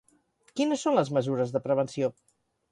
Quines són les mesures de prevenció?